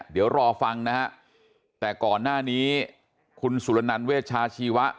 เดี๋ยวรอฟังนะฮะแต่ก่อนหน้านี้คุณสุรนันเวชาชีวะ